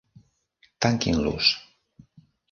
Tanquin-los.